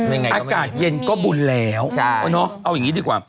ยังไงอากาศเย็นก็บุญแล้วเอาอย่างนี้ดีกว่า